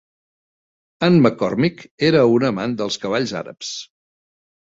Anne McCormick era una amant dels cavalls àrabs.